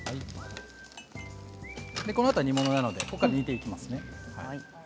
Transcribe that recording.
このあと煮物なので煮ていきます。